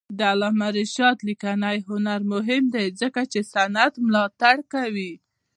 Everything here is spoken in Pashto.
د علامه رشاد لیکنی هنر مهم دی ځکه چې سند ملاتړ کوي.